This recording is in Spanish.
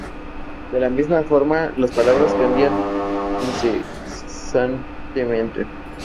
De la misma forma las palabras cambian incesantemente.